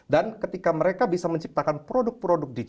dan ketika mereka bisa menciptakan produk produk digital